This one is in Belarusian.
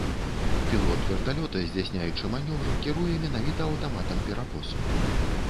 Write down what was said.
Пілот верталёта, здзяйсняючы манеўр, кіруе менавіта аўтаматам перакосу.